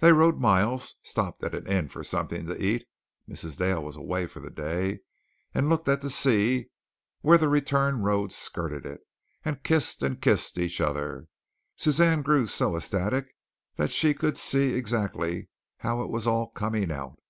They rode miles, stopped at an inn for something to eat Mrs. Dale was away for the day looked at the sea where the return road skirted it, and kissed and kissed each other. Suzanne grew so ecstatic that she could see exactly how it was all coming out.